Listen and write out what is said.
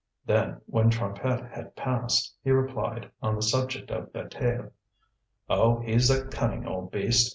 Then, when Trompette had passed, he replied, on the subject of Bataille: "Oh, he's a cunning old beast!